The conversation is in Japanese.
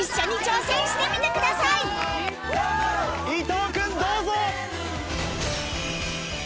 伊藤君どうぞ！